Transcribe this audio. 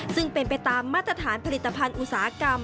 ซึ่งเป็นไปตามมาตรฐานผลิตภัณฑ์อุตสาหกรรม